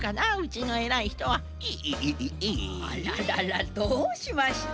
あらららどうしました？